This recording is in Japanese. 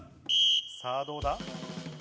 さぁ、どうだ。